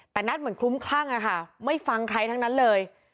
แต่นัทเหมือนคลุ้มคลั่งอะค่ะไม่ฟังใครทั้งนั้นเลย